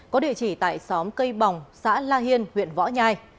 có địa chỉ tại xóm cây bồng xã la hiên huyện võ nhai